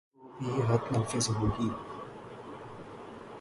تو بھی حد نافذ ہو گی۔